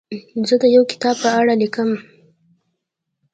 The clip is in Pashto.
زه د یو کتاب په اړه لیکم.